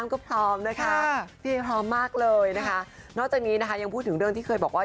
นอกจากนี้นะค่ะ